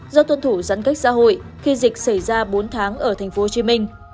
do tuân thủ giãn cách xã hội khi dịch xảy ra bốn tháng ở tp hcm